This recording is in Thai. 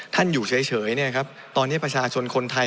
ท่านอยู่เฉยเนี่ยครับตอนที่ประชาชนคนไทย